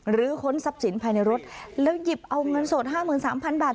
หรือค้นทรัพย์สินภายในรถแล้วหยิบเอาเงินสดห้าหมื่นสามพันบาท